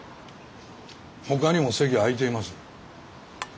ほかにも席空いています。